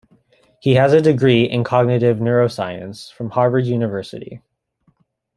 He has a degree in cognitive neuroscience from Harvard University.